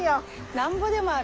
なんぼでもある。